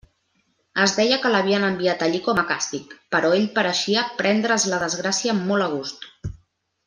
Es deia que l'havien enviat allí com a càstig, però ell pareixia prendre's la desgràcia molt a gust.